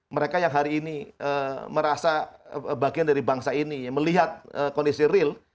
mereka yang hari ini merasa bagian dari bangsa ini melihat kondisi real